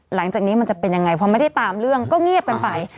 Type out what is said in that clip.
หลังจากนี้มันจะเป็นยังไงพอไม่ได้ตามเรื่องก็เงียบกันไป